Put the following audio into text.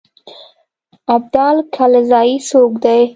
ابدال کلزايي څوک دی.